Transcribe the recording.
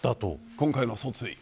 今回の訴追を。